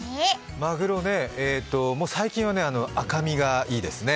まぐろね、最近はね、赤身がいいですね。